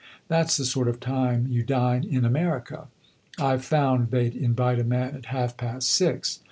That 's the sort of time you dine in America. I found they 'd invite a man at half past six.